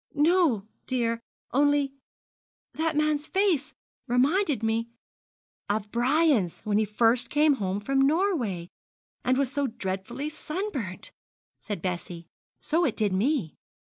'No, dear only that man's face reminded me ' 'Of Brian's when he first came home from Norway, and was so dreadfully sunburnt?' said Bessie; 'so it did me.